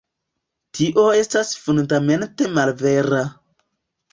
Tio estas fundamente malvera.